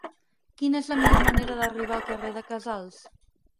Quina és la millor manera d'arribar al carrer de Casals?